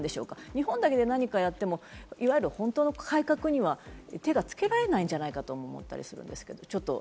日本だけで何かやっても、いわゆる本当の改革には手がつけられないんじゃないかと思う気がするんですけど。